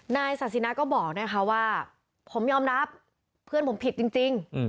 ศาสินะก็บอกนะคะว่าผมยอมรับเพื่อนผมผิดจริง